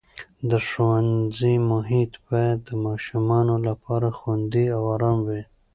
د ښوونځي محیط باید د ماشومانو لپاره خوندي او ارام وي.